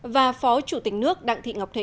và phó chủ tịch nước đặng thị ngọc thị